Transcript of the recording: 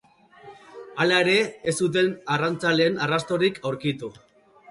Hala ere, ez zuten arrantzaleen arrastorik aurkitu.